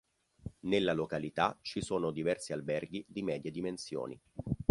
Nella località ci sono diversi alberghi di medie dimensioni.